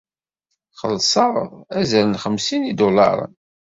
Xellṣeɣ azal n xemsin n yidulaṛen.